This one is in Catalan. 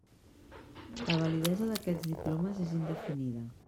La validesa d'aquests diplomes és indefinida.